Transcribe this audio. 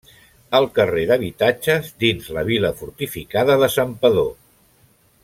El carrer d'habitatges dins la vila fortificada de Santpedor.